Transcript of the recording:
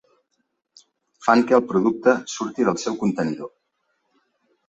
Fan que el producte surti del seu contenidor.